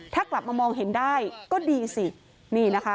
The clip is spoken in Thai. ถ้ากลับมามองเห็นได้ก็ดีสิ